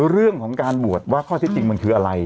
เรื่องของการบวชว่าข้อที่จริงมันคืออะไร